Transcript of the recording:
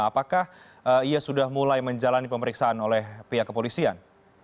apakah ia sudah mulai menjalani pemeriksaan oleh pihak kepolisian